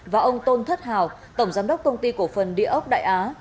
và ông tôn thất hào tổng giám đốc công ty cổ phần địa ốc đại á